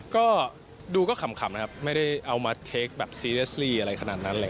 ก็ดูก็ขำนะครับไม่ได้เอามาเทคแบบซีเรียสซี่อะไรขนาดนั้นเลย